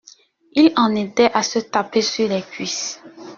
ils en étaient à se taper sur les cuisses.